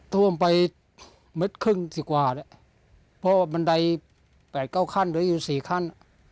ท่วมไปเม็ดครึ่งสิบกว่าพอบันได๘๙ขั้นหรืออยู่๔ขั้น